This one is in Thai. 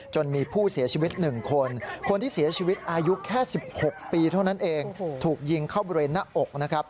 มีผู้เสียชีวิต๑คนคนที่เสียชีวิตอายุแค่๑๖ปีเท่านั้นเองถูกยิงเข้าบริเวณหน้าอกนะครับ